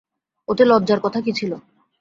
ওতে লজ্জার কথা কী ছিল?